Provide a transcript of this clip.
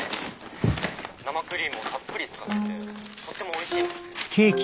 「生クリームをたっぷり使っててとってもおいしいんですよ。